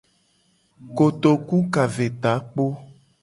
Kotoku ka ve takpo.